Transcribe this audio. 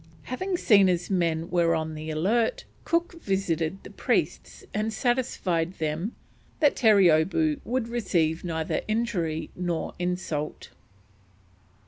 Having seen his men were on the alert, King visited the priests and satisfied them that Terreeoboo would receive neither injury nor insult.